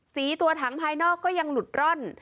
ตัวถังภายนอกก็ยังหลุดร่อน